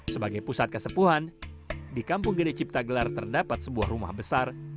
sebagai pusat kesepuhan di kampung gede cipta gelar terdapat sebuah rumah besar